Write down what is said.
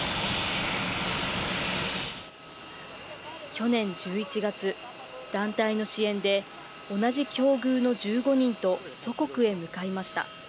去年１１月、団体の支援で、同じ境遇の１５人と祖国へ向かいました。